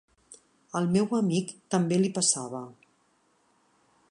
Al meu amic també li passava.